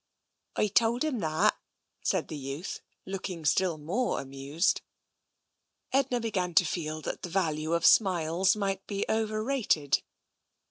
" I told him that," said the youth, looking still more amused. Edna began to feel that the value of smiles might be overrated.